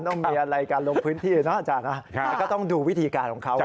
ต้องมีอะไรการลงพื้นที่นะอาจารย์นะก็ต้องดูวิธีการของเขา